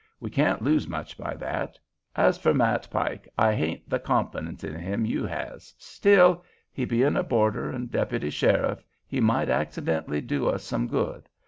We can't lose much by that. As for Matt Pike, I hain't the confidence in him you has. Still, he bein' a boarder and deputy sheriff, he might accidentally do us some good.